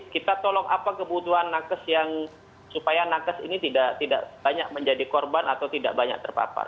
kita tolong apa kebutuhan nakes yang supaya nakes ini tidak banyak menjadi korban atau tidak banyak terpapar